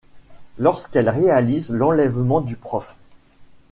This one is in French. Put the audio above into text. Lorsqu'elle réalise l'enlèvement du Prof.